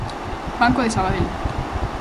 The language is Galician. Banco de Sabadell.